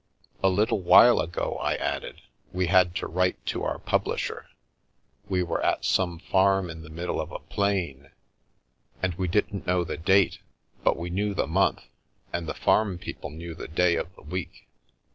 " A little while ago," I added, " we had to write to our publisher. We were at some farm in the middle of a plain. And we didn't know the date, but we knew the month, and the farm people knew the day of the week.